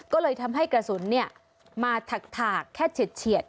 ก็เลยทำให้กระสุนเนี่ยมาถักถากแค่เฉียด